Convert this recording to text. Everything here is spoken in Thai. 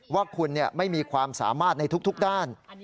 ว่าคุณไม่มีความสามารถในทุกด้าน